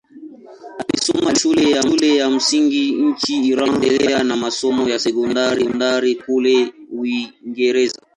Alisoma shule ya msingi nchini Iran akaendelea na masomo ya sekondari kule Uingereza.